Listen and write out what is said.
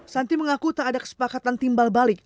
santi mengaku tak ada kesepakatan timbal balik